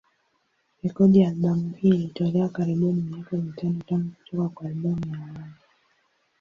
Rekodi ya albamu hii ilitolewa karibuni miaka mitano tangu kutoka kwa albamu ya awali.